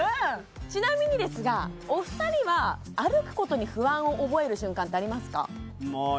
ちなみにですがお二人は歩くことに不安を覚える瞬間ってありますか？